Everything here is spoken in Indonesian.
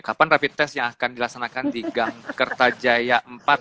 kapan rapid test yang akan dilaksanakan di gang kertajaya empat